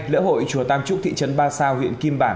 lễ hội chùa tam trúc thị trấn ba sao huyện kim bảng